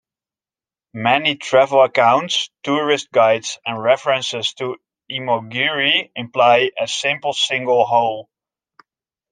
Many travel accounts, tourist guides and references to Imogiri imply a simple single whole.